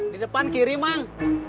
di depan kiri mang